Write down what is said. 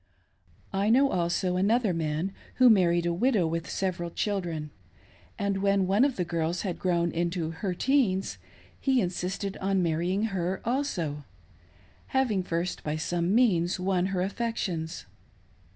I know also another man who married a widow with several children ; and when one of the girls had grown into her teens he insisted on marrying her also, having first by some means won her affections.